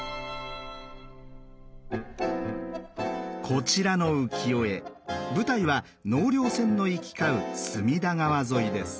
こちらの浮世絵舞台は納涼船の行き交う隅田川沿いです。